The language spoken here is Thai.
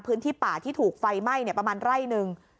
พื้นที่ป่าที่ถูกไฟไหม้ประมาณไร่หนึ่ง